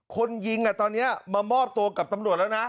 คนยิงตอนนี้มามอบตัวกับตำรวจแล้วนะ